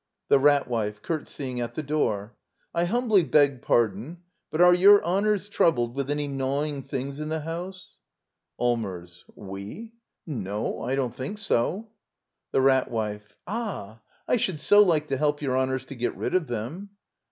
The Rat Wife. [Curtseying at the door.] I humbly beg pardon — but are your honors troubled with any giawjng things in the house? AllmersT Wc? No, I don't think so. The Rat Wife. Ah; I should so like to help your honors to get rid of them.